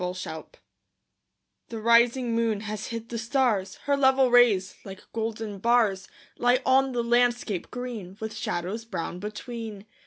ENDYMION The rising moon has hid the stars; Her level rays, like golden bars, Lie on the landscape green, With shadows brown between.